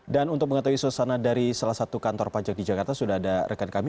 dan untuk mengetahui suasana dari salah satu kantor pajak di jakarta sudah ada rekan kami